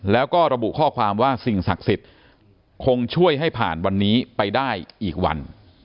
แล้วก็ระบุข้อความว่าสิ่งศักดิ์สิทธิ์คงช่วยให้ผ่านวันนี้ไปได้อีกวัน